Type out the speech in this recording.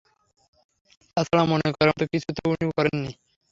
তা ছাড়া মনে করার মতো কিছু তো উনি করেন নি।